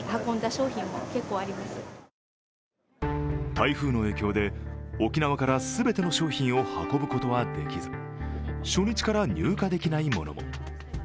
台風の影響で、沖縄から全ての商品を運ぶことはできず、初日から入荷できないものも。